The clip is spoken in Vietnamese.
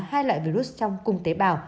hai loại virus trong cùng tế bào